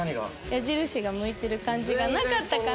矢印が向いてる感じがなかったから。